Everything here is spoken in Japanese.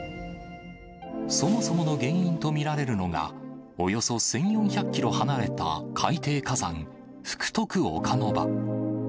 そもそもの原因と見られるのが、およそ１４００キロ離れた海底火山、福徳岡ノ場。